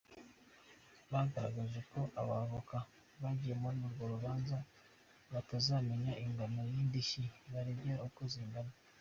Bagaragaje ko abavoka bagiye muri urwo rubanza batazamenya ingano z’indishyi baregera uko zingana.